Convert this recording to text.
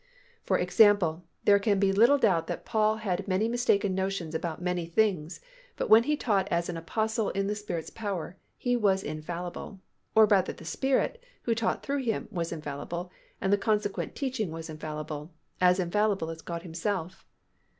For example, there can be little doubt that Paul had many mistaken notions about many things but when he taught as an Apostle in the Spirit's power, he was infallible—or rather the Spirit, who taught through him was infallible and the consequent teaching was infallible—as infallible as God Himself.